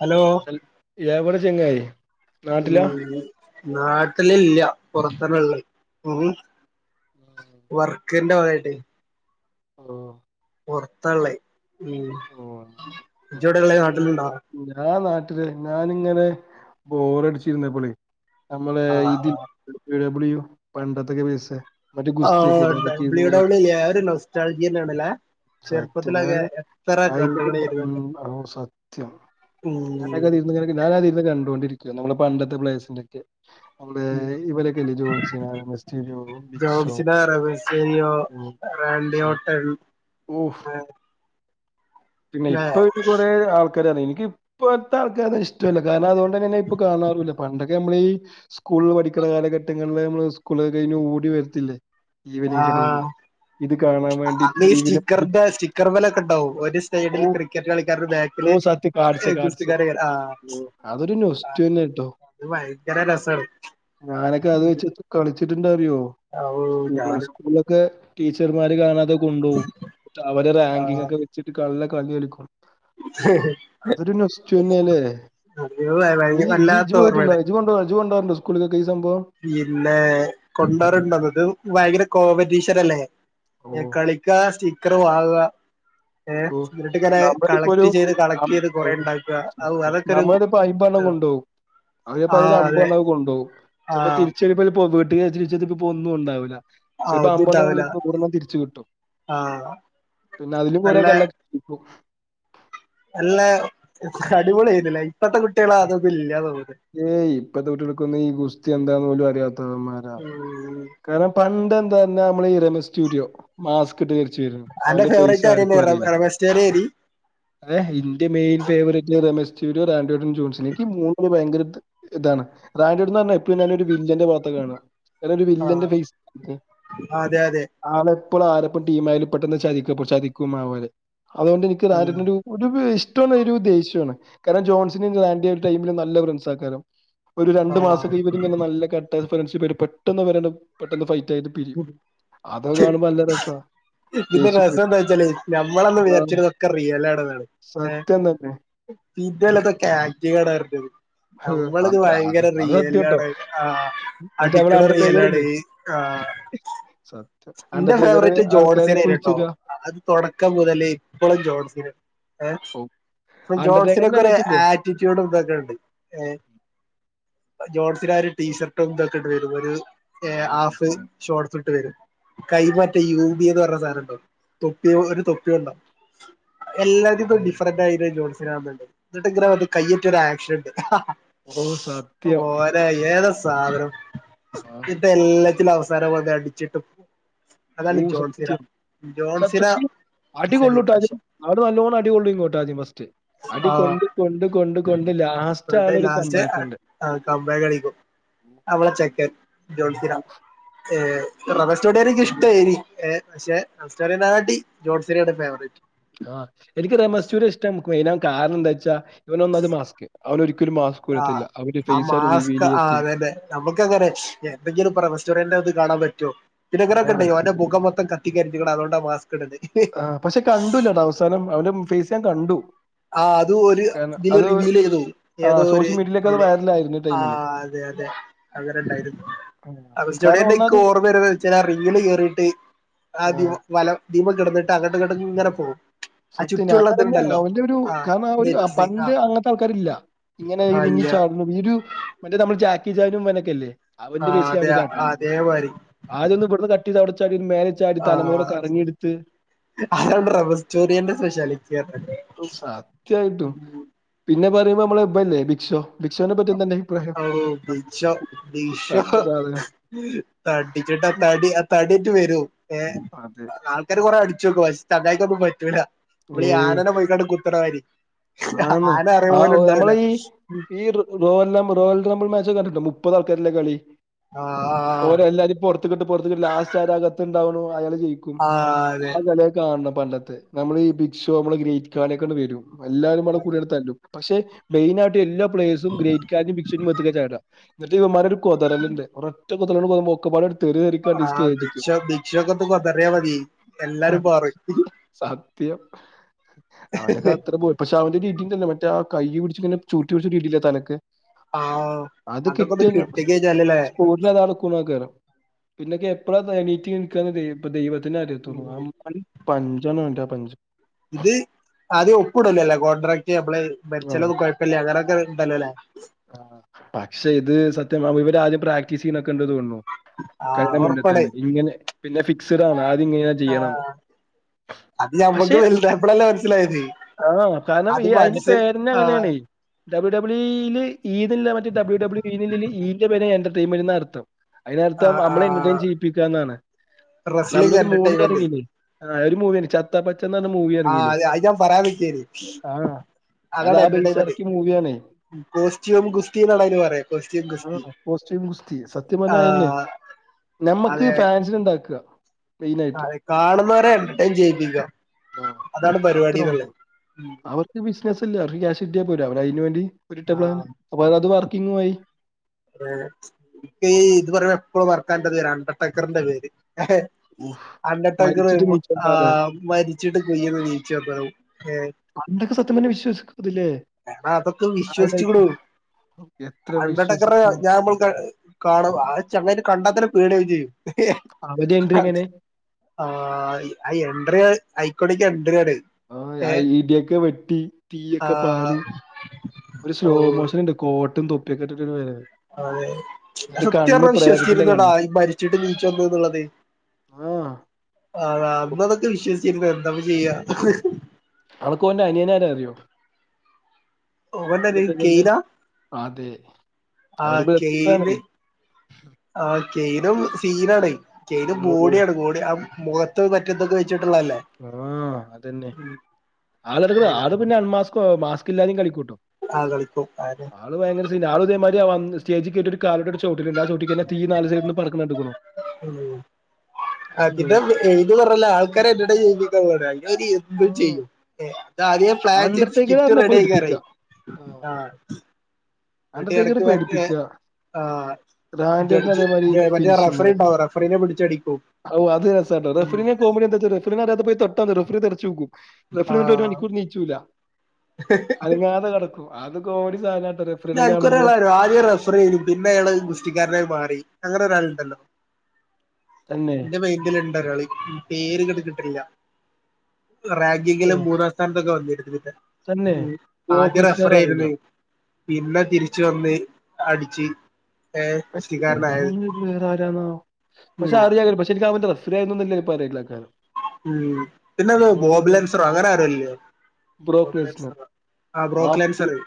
Hello ഹൽ എവടെ ചെങ്ങായേ ഉം നാട്ടിലില്ല പുറത്തന്നെ ഉള്ളെ ഉം വർ ക്കന്റെ ഓയല് ഓ പോർത്താള്ളേ ഉം ഓ ഇജ് വ്ടെള്ളത് നാട്ടില്ണ്ടോ ആ നാട്ടില് ഞാനിങ്ങനെ ബോറടിച്ചിരുന്നപാളെ നമ്മള് ഇതി ആഹ് പണ്ടത്തൊക്കെ വിച്ച ആ ഡബ്ല്യൂ ഡബ്ല്യൂല്ലേ അത് നൊസ്റ്റാൾജിന്നെയണല്ലേ ചെറുപ്പത്തിലൊക്കെ എത്ര കണ്ടുണെനും. ഉം ഓ സത്യം ഉം ഞാനൊക്കെതിരുന്നു ഞാനാതിരുന്ന് കണ് [unintelligible] നമ്മളെ പണ്ടത്തെ പ്ളേസിന്റെക്കെ നമ്മെ ഇവരൊക്കെല്ലേ ജോൺസിനെസ്റ്റീഡോ ബിക്ഷോ ജോൺസിന റബസേരിയോ ഓ റാൻഡിയോട്ടൺ ഓഫ് പിന്നെ ല്ലേ ഇപ്പൊ അവക് കൊറെ ആൾ [unintelligible] എനികപ്പത്തെ ആൾക്കർനെ ഇഷ്ടമല്ല കാരണം അതുകൊണ് [unintelligible] ങ്ങനെ ഇപ്പൊ കാണാറുല്ല പണ്ട നമ്മള ഈ സ്കൂളിൽ പഠിക്കുന്ന കാലഘട്ടങ്ങളിൽ നമ്മള് സ്കൂള് കഴിഞ് ഓടി വരത്തില്ലേ ഈവനിങ് ഒക്കെ ആഹ ടൈമിൽ ഇത് കാണാൻ വേണ്ടി അന്ന് ഈ ടിവിയിലെ സ്റ്റിക്കറിന്റെ സ്റ്റിക്കർ വലൊക്കെ ഉണ്ടാവും ഒരു ഓ സൈഡില് ക്രിക്കറ്റ് കളിക്കാരുടെ ഓ ബാക്കില് സത്യം കാർഡ്സ് കാർഡ്സ് ഗുസ്തികർ ആ അതൊരു നൊസ്റ്റു തന്നെ കേട്ടോ അത് ഭയങ്കര രസണ് ന്താറിയോ പ്ലസ്ടുലൊക്കെ ടീച്ചർമാര് കാണാത കൊണ്ടോവും ന്നട്ട് അവര് റാങ്കിങ് ആഹ് ഒക്കെ വെച് നല്ല കഞ്ഞെട്ക്കും അതൊരുനൊസ്ച്ചുന്നെയല്ലേ അത് നീ ഭയ ഇജ് വല്ലാത്ത ജ് പോയിട്ടുണ്ടോ ഓർമ്മയാണ് ഇജ് കൊണ്ട് ഇജ്കൊണ്ടര പിന്നെ കൊണ്ടോറുണ്ടന്നത് ഭയങ്കര കോ കോമ്പറ്റീഷനല്ലേ ഓ എ കളിക്ക സ്റ്റിക്കർ വാങ്ങുക ഏ ത്രൂ എന്നിട്ടങ്ങനെ നമ്മളിപ്പോ ഒരു കളക്ട് ചെയ്ത് കളക്ട് അം ചെയ്ത് ഔ കൊറ ഉണ്ടാക്കുക സത്യം അതൊക്കെരു നമ്മളതിപ്പോ അയ്മ്പെണ്ണം കൊണ്ടോവും അതിപ്പോ ആ അതില് അതെ. അമ്പെണ്ണം കൊണ്ടോവും ചിലപ്പോ ആഹ് തിരിച്ചരുമ്പോ ഒരു പൊഗ ട്ടിയെ ച്ചിരിച്ചത് ഇപ്പോഒന്നും ഉണ്ടാവില്ല. ആഹ് ചെപ്പോ ഒന്നും അമ്പോണ്ണം ഉണ്ടാവൂല പോയാലും നൂറെണം തിരിച്ച് കിട്ടും ആഹ് പിന്നെ അതില് കൊറെ നല്ല ഇപ്പോ നല്ല അടിപൊളി ചെയ്തില്ലേ ഏയ് ഇപ്പത്തെ കുട്ടികൾക്ക് ഈ ഗുസ്തി എന്താന്ന് പോലും അറി [unintelligible] ഉം കാർണം പണ്ട് ഇപ്പൊതന്നെനമ്മളെ ഈ റമസ്റ്റുരിയോ മാസ് [unintelligible] രിച്ചരുന്നു അന്റെ അവന്റെ ഫേസ് ഫേവറേറ്റ് ആരേനു ആർക്കും റമ അറിയില്ല. റമേഷ് ചേരി ആയിരുന്നു. എ ഇന്റെ മെൽ ഫേവററ്റ് റമ [unintelligible] ജോൺസിലേക്ക് മൂന്ന് ഭയ ഇതാണ് റാൻഡ്ന്ന് പറഞ്ഞ ഇപ്പരും ഞാനരു വില്ലന്റെ ബാത്തകാണ ട രു വില്ലന്റെ ആഹ് ഫേസ് ക് അതെ അതെ ആ ഇപ്പോൾ ആരപ്പം ടീംമാലും പെട്ടെന്ന് ചതിക്ക് ചതിക്കും അവര് അതുകൊണ്ട് എനിക്ക് ഉം [unintelligible] ഒരു [unintelligible] ഒരു ദേഷ്യണ് കാരണം ജോൺ [unintelligible] ടൈമില്നല്ല ഫ്രണ്ട്സ് ആക്കാലോ? ഒരു ആ രണ്ട്മാസ ഇവരിങ്ങനെ നല്ല ഘട്ട ഫ്രേഷിപ്പായിട് പെട്ടെന്നവരപെട്ടെന്ന് ഫൈറ്റ് ആയിട്ട് പിരിയും അതൊക്കെ കാണുമ്പോ നല്ല രസാ പിന്നെ ദേഷ്യം രസം വരും എന്താ വെച്ചാല് ഞമ്മളന്ന് അതാണ് വിചാരിച്ചതൊക്കെ റിയലാണന്നാണ് ഏ സത്യം തന്നെ ഇതല ആക്ടിങ്ങാണറിഞ്ഞത് അത് നമ്മളിത് അത് ഭയങ്കര അത് സത്യട്ടോ റിയലാണ് ആ മറ്റേ നമ്മളെ അടിക്കണ റിയൽ അണ്ടർടേക്കർ ആണ് ഇല്ലേ ആ സത്യം എന്റെ അണ്ടർടേക്കർ ഫേവററ്റ് ആൾക്കാരെ ജോൺസൻ നായിരുന്നുട്ടോ കുഴിച്ചിടാ അത് തുടക്കം മുതലേ ഇപ്പളും ജോൺസിൻ ഏ ഓ അ അണ്ടർടേക്കറിന്റെ ജോൺസിനൊക്കെ ഒരു അറിയത്തില്ലേ ആറ്റിറ്റ്യൂഡ് ഇതൊക്കെയുണ്ട് ഏ ജോൺസിന ആ ഒരു ടീഷർട്ടും എന്തൊക്കെ ഇട്ട് വരുന്നൊരു ഓ സത്യം ഹാഫ്ഷോർട്സ് ഇട്ട് വരും കൈമാറ്റ യൂബിന്ന് പറഞ്ഞ സാധനണ്ടാവും തൊപ്പി ഒരു തൊപ്പിയൊണ്ടാ എല്ലാത്തിനു അതെ ഡിഫറൻ്റായിരുന്നു ജോൺസ് എന്നിട്ട് [unintelligible] വന്ന് കയ്യെക്കെ ഒരു ആക്ഷനുണ്ട് ഓ സത്യം മോനെ യെസ് സാധനം ഇതിപ്പ ആത്. എല്ലാത്തിനും അവസ്ഥ റൊക്കെ അടിച്ചിട്ടും ഓ സത്യം ജോൺസിന [unintelligible] അടി കൊള്ളൂട്ട പാഷ ആദ്യം അവര് നല്ലോണം അടി കൊള്ളൂ ഇങ്ങോട്ടാദ്യം ഫസ്റ്റ് അടി ആഹ് കൊണ്ട് കൊണ്ട് കൊണ്ട് കൊണ്ട് ലാസ്റ്റ് എന്നിട്ട് ആളൊരു ലാസ്റ്റ് കമ്പാക്കിണ്ട് കംബാക്ക് അടിക്കും അവളെ ചെക്കൻ [unintelligible] നിക്ക് ഇഷ്ടായിനി ആ എനിക്ക് രമശൂര് ഇഷ്ടം [unintelligible] കാരണം എന്താ വെച്ചാ ഇവനൊന്നാമത് മാസ്ക് അവൻ ഒരിക്കലും മാസ്ക് ആ ഉരത്തില്ല അവന്റെ ആ ഫേസ് ആരും മാസ്ക് റിവീൽ ആ ചെയ്യത്തില്ല അതന്നെ നമുക്ക് അങ്ങനെ എന്തെങ്കിലും പറ റെസ്റ്റോറന് അത് കാണാൻ പറ്റുമോ പിന്നെങ്ങനെയൊക്കെ ആ ഉണ്ടോ അവന്റെ മുഖമൊത്തം [unintelligible] അതൊണ്ട മാസ് ആഹ് പക്ഷെ കണ്ടൂലട്ടാ അവസാനം അവനും ഫേയ്സ്‌യാൻ കണ്ടു ആ അത് ഒരു കാരണം ഇതില് അത് റിവീൽ ചെയ്തു ഏതോ ആഹ് ഒരു സോഷ്യൽ മീഡിയയിലൊക്കെ അത് ഇതില് വൈറലായിരുന്നു ആ ടൈമില്. അതെ അതെ അങ്ങനെണ്ടായിരുന്നു കാരണം ഒന്നാത് അഗസ്താനോനിക്കോർമ്മ വരുന്ന വച്ച്ഴിഞ്ഞാ ആ റിവ്യൂ കേറിയിട്ട് ആ ആഹ് ദിവ് വല ദീപ് കിടന്നിട്ട് തങ്ങട്ട് ടിങ്ങട് ഇങ്ങനെ പോം സത്യം ഞൻ തന്നെ അവന്റെ ഒരു ഉ ആഹ് കാരണ ഒരുഗ നെറ്റ് പണ്ട് ആഹ് അങ്ങത്തെ ആൾക്കാരില്ല. അല്ല ഇങ്ങനെരിങ്ങിചാട്ണും ഇരു മറ്റേ മ്മള് ച കിജാനും വനക്കല്ലേ അവന്റെ ആഹ് ബേസില് അതെ അവന്റെ ചാട്ടം. അതേമാതിരി ആദ്യോന്ന് വട്ന്ന് കട്ടെയ്ത് അവിട് പ്പിൻ മേലെച്ചാടി തലമുറ ആഹ് കറങ്ങിട്ത്ത് ചൊറിയന്റെ സ്പെഷ്യാലിറ്റി അർ ന്നെ പറമ്പം മ്മള് ബല്ലേ ബിക്ഷോ ബിക്ഷോനെ പറ്റിന്തന്നെ ഔ ഭിക്ഷോ ഭിഷൊ തടിച്ച സാധനം തടിച്ചിട്ട തടി ആ തട്യട്ട് വരൂ ഏഹ് അതെ ആൾക്കാര് കൊറെ അടി റ്റുകൊയ്സ് തതായ്താവുമ്പം പറ്റൂല അമ്മളി ഈ ഏഹ് ആനനെ പോയ്ക്കാണ്ട് കുത്തണമായിരി. ആന്ന് ആന അറിയ ആ പോലും ണ്ടാവുല നമ്മളെ നമ്മൾ മാച് കണ്ടിട്ടു മുപ്പതാൾക്കാര്ള്ള കളി ആഹ് ഓരെല്ലാരിം പൊർത്ത്ക് ട്ട് പൊർത്ത്ക് ട്ട് ലാസ്റ്റ് ആരാകത് താവുണു അയളി ജയിക്കും ആഹ് ആ അതെ കളിയെ കാണണം പണ്ടത്തെ നമ്മളെ ഈ ഭിക്ഷോ മ്മളെ ഗ്രേറ്റ്ഖാനൊക്കെണ്ട് വരും എല്ലാരും അള കൂടിടുത്താലൂ പക്ഷെ മെയിനായിട്ട് എല്ലാ പ്ലെസും ഗ്രേറ്റ് കാജും [unintelligible] ചേട എന്നിട്ട് ഇവന്മാരൊരു കൊതറല് ഇണ്ട് റ്റൊക്കൊത്തല് [unintelligible] ഒക്കെ പാടെടു ആഹ് ബിക്ഷ ബിക്ഷക്കൊത്ത് കൊതറിയാ മതി എല്ലാരും പോറ- ത്തിയോ അവന്റെ ഒക്കെ അത്ര പോയി പക്ഷെ അവന്റെ രീതില്ലേ മറ്റേ ആഹ് കൈയ്യും പിടിച്ചിങ്ങനെ ചൂരുട്ടി പിടിച്ച് കിട്ടീലെ തലയ്ക്ക് ആഹ് അത് അതൊക്കൊന്ന് കിട്ടിയന്നു കിട്ടിക്കഴിഞ്ഞാലല്ലേ സ്പ്പോട്ടില് അതളക്കണ [unintelligible] പിന്നെക്കെ പ്രത് എനി ത്തിനിൽക്കാ ന്ന്ള്ളത് പ്പ ദൈവ ദൈവത്തിനെ അറിയത്തുള്ളൂ ആ ഉം പഞ്ച മാണ്ടാ പ ഇത് ആദ്യം ഒപ്പിടലല്ലേ കോൺട്രാക്ട് നമ്മള് ആഹ് മരിച്ചല്ലോന്നും കുഴപ്പല്ല അങ്ങനെ ങ്ങനെണ്ടല്ലൊല്ലേ പക്ഷെ [unintelligible] ഇവര് ആദ്യം പ്രാക്ടീസ് ചെയ്യ്ണ കണ്ട് തോന്ന്ണു ആഹ് കഴിഞ്ഞ ഒറപ്പാണ് മുമ്പത്തെന്നെ ഇങ്ങനെ പിന്നെ ഫിക്സഡാണ് ആദ്യം ഇങ്ങനെ ചെയ്യണം ആഹ് അത് പക്ഷെ ഞമ്മക്ക് വലുതായപ്പളല്ലേ മനസ്സിലായത് ആ കാരണം അത് ഇ അയിന്റെ മനസ്സ് പേര്ന്ന് ആഹ് അങ്ങനെയാണേ ഡബിൾ ഡബിളീന്ന് ഈത് ല്ല മറ്റെ ഡബ്ല്യ ഡബ്ലൂ ഈന്റെ പെര എൻ്റർടൈമൻ്റ് ന്നാ അർത്ഥം അതിനർത്ഥം ആഹ് അമ്മള് എന്റർടൈൻ ആഹ് ചെയ്യിപ്പിക്കുകന്നാണ് റെസ്ലിംഗ് നമ്മളൊരു മൂവി എന്റർടൈൻമെന്റ് ഇറങ്ങീണ് ഒരു മൂവി ചത്തപ എന്ന് പറഞ്ഞ ആഹ് അ അത് ഞാൻ പറയാ നിക്കേനി ആഹ് അത് അതാണ് ആ ബേസ് എന്റെടൈമെന്റ് എറക്കിയ മൂവിയാണേ കോസ് ചോം ഗുസ്തിന്നാണ് അയിന് പറയ കോസ്റ്റൂം ആഹ് ഗുസ്തി കോസ്റ്റ്യൂം ഗുസ്തി സത്യം ആ പറഞ്ഞാ അതെന്നെ ഞമ്മക്ക് അതെ [unintelligible] ആ കാണുന്നവരെ എന്റെർടൈൻ ചെയ്യിപ്പിക ആഹ് അതാണ് പരിപാടിന്ന്ള്ളത് അല്ല അവർ ക്യാഷ് കിട്ടിയാൽ പോരെ അവർ അതിന് വേണ്ടി ഒരുരുട്ടപ്ലം അപ്പൊ അത അത് വർക്കിങ്ങു ആയി എക്ക് ഈ ഇത് പറഞ എപ്പോഴും വറക്കാറത് പേര് അണ്ട ടക്കറിന്റെ പേര് അണ്ടടക്കർ മരിച്ചിട്ട് നീച്ചണ്ട ആ ആള് മരിച്ചിട്ട് കുയ്യീന്ന് നീച്ച് വന്നത് ഏ പണ്ടൊക്കെ സത്യം പറഞ്ഞാ വിശ്വസിക്കും ഇതില്ലേ അതൊക്കെ വിശ്വസിച്ചൂടോ എത്ര അണ്ട ട വിശ്വസിക്കും ഞാൻ നമ്മൾ കാണ ആ ചെങ്ങായിനെ കണ്ടാത അത്ര പേടിയാവും ചെയ്യും അവന്റെ എൻട്രി എങ്ങനെ ആ അ എണ്ട്രി അശ്ക്കോണിക് എൻട്രിയാണ് ആ ഏഹ് ഐഡൊക്കെ വെട്ടി തീയൊക്കെ ആഹ് പാറി ഒരു സ്ലോ ഓഹ് മോഷൻ ഉണ്ട് കോട്ടും തൊപ് പെക്കറ്റ [unintelligible] അതെ സത്യംപറഞ്ഞാ പ്രേതത്തിന്റെ വിശ്വസിക്കുലടാ കണ്ണ് മരിച്ചിട്ട് നീച്ചെന്ന് ന്നുള്ളത് ആഹ് അത അന്നതൊക്കെ വിശ്വസ ചില്ല എന്താപ്പ ചെയ്യാ അനക്ക് ഓൻ്റെ അനിയനാരാ ന്നറിയോ ഓനൊര് കെയ്ലാ അതെ ആ അവര് ബ്രദേഴ്സ് കെയ്ൽ ആണ് ആകെയ് ഇതും സീനാണേ ചെയ്ത് ഓ ബോഡിയാണ് ബോഡിയ അ മുഖത്ത് മറ്റേതൊക്കെ ക ആ അതെന്നെ ആള്കൾ ഉം ആള് പിന്നെ അൽമാസ്കൊ മാസ് എല്ലാരും കളിക്കൂട്ടും ആ കളിക്കും ആര്? ആള് ഇതേമാരിയാ വന്ന് സ്റ്റേജി കേരീറ്റ് ഒരു കാലോണ്ടട് ച അത് ചവുട്ടി കയിഞ്ഞാ തീ നാല് സൈഡിന് [unintelligible] [unintelligible] ഉം [unintelligible] പറഞ്ഞല്ല ആൾക്കാര് അയിന്റെടെ ജീവി [unintelligible] തി എന്തും ചെയ്യുംഇത് ആദ്യേ പ്ലാൻ ചെയ്ത് അണ്ടർടേക്കർ സ്കിറ്റ് അറിഞ്ഞ റെഡി പേടിപ്പിക്കുക ആയിക്കാരായി ആഹ് ടേക്ക് പറഞ്ഞ് പേടിപ്പിക്കാ [unintelligible] ജഡ്ജ് അതേമാരി മറ്റേ ഫിനിഷിങ്ങ് റഫറി ഉണ്ടാവും റഫറിനെ പിടിച്ചടിക്കും അവൂ [unintelligible] റഫറി കോമഡി എന്താച്ച റഫറി അറിയാതെ പോയി തൊ താന്ന് റഫറി തെ ചൂകും. റഫറി ന്നിട്ട് ഒരു ആഹ് മണിക്കൂർ ണീച്ചുലാ അനങ്ങാതെ കിടക്കും. അതൊക്ക ഓടി സാന ഞങ്ങക്കൊരാളായിരുന്നു ആദ്യം റഫർ ചെയ്യും പിന്നെ അയാൾ ഗുസ്തിക്കാരനായി മാറി. അങ്ങനെ ഒരാളുണ്ടല്ലോ? തന്നെ എന്റെ മൈൻഡില് ഇണ്ട് ഒരാള് പേര് ഇങ്ങട് കിട്ടണില്ല. റാങ്കിങ്ങില് മൂന്നാം സ്ഥാനത്തൊക്കെ വന്നി അ തന്നേ ഗോകൃഷ്ണറാവൂലാ? പിന്നെ തിരിച്ച് വന്ന് അടിച്ച് ഏഹ് ഗുസ്തിക്കാരനായത് [unintelligible] വേറെ ആരാണാവോ പക്ഷേ ഉം അറിയാം പക്ഷേ എനിക്ക് [unintelligible] ഫറിയായൊന്നില്ല പറയില്ല കാരണം ഉം പിന്നെത് ബോബ്ലൻസറോ അങ്ങനെ ആരല്ലോ ഇല്ലേ ബ്രോക്ലേസ്നർ ആഹ് ആ ബ്രോക്ക്ലൻസറ്.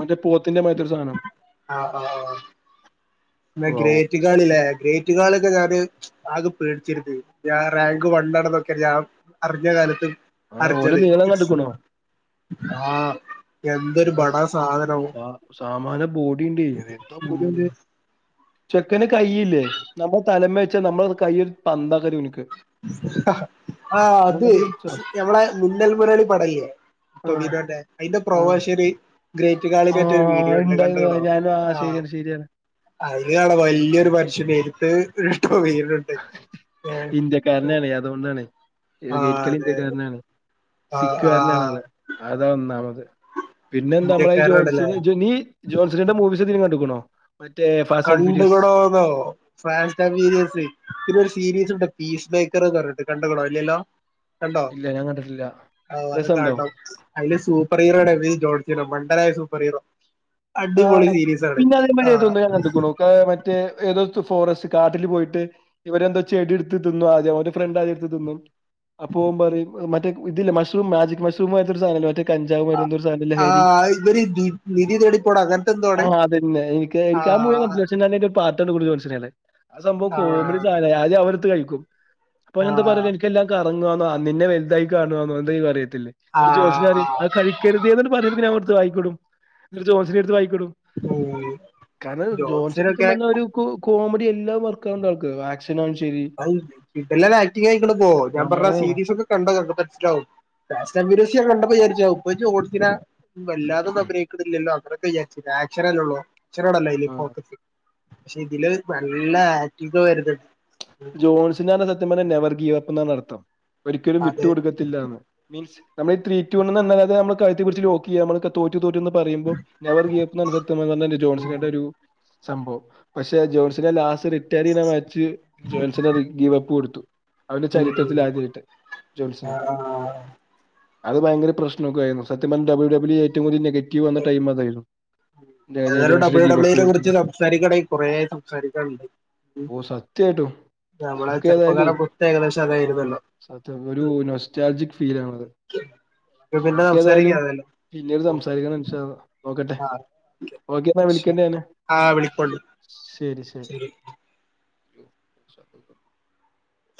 മറ്റേ പോത്തിന്റെ മാതിരിത്തെ ഒരു സാധനം ന്നെ വാവൂ ഗ്രേറ്റ് കാളിലേ ഗ്രേറ്റ് കാളൊക്കെ ഞാന് ആകെ പേടിച്ചരുത്. ഞാൻ റാങ്ക് വൺ ആണെന്ന് വെ ക്കറിയാം അറിഞ്ഞ കാലത്തും ആ ഓന്റെ അർജറ് നീളം കണ്ട്ക്ക്ണോ [unintelligible] ആഹ് എന്തൊരു പിന്നെ ബടാ സാ സാധനം സാ സാമാന ബോഡീണ്ട് എന്താ ബോഡി ഉം അവന്റെ ചെക്കന് കയ്യില്ലേ നമ്മള് തലേമ്മേ വെച്ചാ നമ്മളെ കയ്യൊരു പന്താക്കാനറിയാം ഓന്ക്ക്. ആഹ് അത് അങ്ങനത്തെ ഒരു പിച്ചാ ഞമ്മളെ മുന്നൽ മുരളി പടല്ലേ ആ ടൊവീനോന്റെ അയിന്റെ ആ പ്രൊമോഷന് ഗ്രേറ്റ് ആ കാളിടെ മറ്റേ വീഡിയോ ഇണ്ട് ഇണ്ടായിരുന്നു കണ്ട്ക്കുണോ ഞാൻ ആ ആഹ് ശരിയാണ് ശരിയാണ് അയില് കാണാൻ സത്യം വല്യൊരു മനുഷ്യനേനും ത് ഏഹ് പ്പൊ വീടുണ്ട് ഏഹ് കാരനാണ് അതോണ്ടാണ് ഏത് ഗേറ്റ് ആഹ് കളി അതെ ഇന്ത്യകാരനാണ് ആഹ് സിക്ക് കാരനാണ് ആഹ് ആള് അതാ ഒന്ന് നമക്ക് പിന്നെന്താ മ്മളേ എ ഇന്ത്യക്കാരനാണല്ലേ ജോൺസിനീ ജോൺസിനിന്റെ മൂവിസ് എന്തേലും കണ്ട്ക്ക്ണോ? കണ്ടുക്ക്ണോന്നോ ഫ്രാൻസ്റ്റാൻ വീരിയെസ്സ്. പിന്നെ ഒരു സീരീസ് ഇണ്ട്. പീസ് ബ്രേക്കറ്ന്നർഞ്ഞ്ട്ട്. കണ്ട്ക്ക്‌ണോ ഇല്ലല്ലോ. കണ്ടോ ഇല്ല ഞാൻ കണ്ടിട്ടില്ല ഔ അത് രസമുണ്ടോ കാണണം. അയില് സൂപ്പർ ഹീറോ ആണ് വീ ജോൺ. മണ്ടനായ സൂപ്പർ ഹീറോ. അടിപൊളി സീരീസാണ് ആഹ്. ക്കെ ഞാ കണ്ടുകുണു കേ മറ്റേ ഏതോ ഫോറസ്റ്റ് കാട്ടില് പോയിട്ട് ഇവരെന്തോ ചെടി ഇട്ത്ത് തിന്നും ആദ്യം. ഓന്റെ ഫ്രണ്ട് ആദ്യം ട്ത്ത് തിന്നും. അപ്പോംമ്പറയും മറ്റേ ഇതില്ല മഷ്റൂം മാജിക് മഷ്റൂം മാര്ത്തെ ഒരു സാനംല്ലേ മറ്റേ കഞ്ചാവ് മാരി ന്തോരു സാ ആഹ് ഇവര് ജു നിധി തേടി ആഹ് അതന്നെ എനിക്ക് എനിക്ക് ആഹ് മുഴുവൻ കണ്ടിട്ടില്ല. ഷേ ന്നാലും അയിന്റെ ഇ പ്പാർട്ടണ്ട് കൂടുതല് മൻസ്സ്ലായില്ലേ? ആ സംഭവം കോമഡി സാന [unintelligible] ത്ത് കഴിക്കും. അപ്പൊയില് ആ എന്താ പറല് എനിക്ക് എല്ലാ കാ വന്നോന്നോ, നിന്നെ വല്തായി കാണോന്നോ എന്തായീ പറീ ആ ന്നിട്ട് ജോസിനി ആ പറിം അത് കഴിക്കരുതെന്നണ്ട് പറീമ്പൊ പിന്നെ വായിക്ക്ടും ഇന്നട്ട് ജോസിനെ എടുത്ത് വായി ക്ക്ടും ഉം കാരണം ജോഷിനി സത്യം ജോൺസനൊക്കെ പറഞ്ഞാൽ കോമഡി എല്ലാം വർക്കാവുണ്ട് ആൾക്ക് വാക്സിൻ ഇതെല്ലാം ആക്ടി ആയിക്കടക്കുവോ ഞാൻ പറഞ്ഞ സീരീസ ഒക്കെ കണ്ട മനസ്സിലാവും [unintelligible] കണ്ടപ്പോ വിചരിച്ചും കൊച്ച് ഓടിക്ക്ണെ വല്ലതൊന്നും അഭിനയിക്കടില്ലല്ലോ അത്ര ആക്ക്ഷനലള്ളോ ചെറോടല്ല ഇല്ല ആഹ് ഫോക്കസ് പക്ഷെ ഇതിലെ നല്ല ആറ്റീവ വരുന്നുനോണ്ട് ജോൺസിനതിനൻ [unintelligible] നവർഗീയതത്തം എന്നാണ്ർഥം ഒരിക്കലും വിട്ട് അതെ കൊടുക്കത്തില്ലന്ന് മീൻസ് നമ്മൾ ത്രീ റ്റു നമ്മ കഴുതിൽ പിടിച്ച് ലോക്ക് നമ്മലെ തോറ്റ തോറ്റന്ന് പറയുമ്പോ അവർ കേക്കുന്ന [unintelligible] ഉം ജോൺസിനന്റെ ഒരു സംഭവം പക്ഷെ ജോൺസിലെ ലാസ്റ്റ് റിറ്റയിറിത മാച്ച് ജോൺസഗവ് [unintelligible] കൊടുത്തു അവന്റെ ഉം ചരിത്രത്തില ആദ്യട്ട് ജോത്സനാ- ആഹ് ആഹ് അത് ഭയര പ്രശനക്കെയായി സത്യം ഡബ്ലിയു ഡബ്ലിയു ഏറ്റവും വലിയ നെഗറ്റി വന്ന ടൈം അതായിരുന്നു. ജെ- എല്ലാരും ജോൺസിന് ഡബ്ല്യൂ ഗീവ് അപ്പ് ഡബ്ല്യൂവിനെ കുറിച്ച് കൊടുത്തുന്നുണ്ട് സംസാരിക്കണങ്കിൽ കൊറെ സംസാരിക്കാനുണ്ട്. ത്യായിട്ടും നമ്മളെ നമുക്കെതായാലുവേ ചെറുപ്പകാലം മൊത്തം ഏകദേശം ആ അതായിരുന്നല്ലോ സത്യ ഒരു നൊസ്റ്റാൾജിക് ഫീലാണത്. ഉം പിന്നെ നമുക്കേതായാലും സംസാരിക്കാം ഏതായാലും പിന്നീട് സംസാരിക്കണം ഇൻഷാ അള്ളാഹ് നോകട്ടെ ആ ശരി ആഹ് വിളിക്കോണ്ടീ ശരി അ